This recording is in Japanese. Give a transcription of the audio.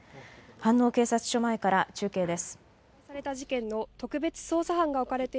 飯能警察署前から中継です。